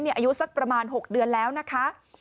อายุสักประมาณ๖เดือนแล้วนะคะ